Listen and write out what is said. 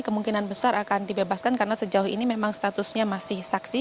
kemungkinan besar akan dibebaskan karena sejauh ini memang statusnya masih saksi